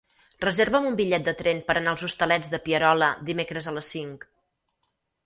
Reserva'm un bitllet de tren per anar als Hostalets de Pierola dimecres a les cinc.